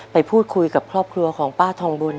ไปพูดคุยกับครอบครัวของป้าทองบุญ